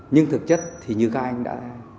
nhưng thực chất thì như các anh đã